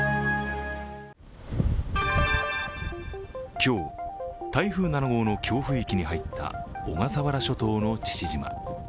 今日、台風７号の強風域に入った小笠原諸島の父島。